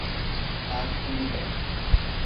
Pacto do bem